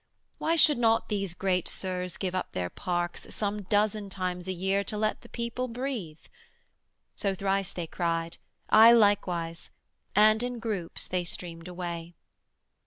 Why should not these great Sirs Give up their parks some dozen times a year To let the people breathe? So thrice they cried, I likewise, and in groups they streamed away.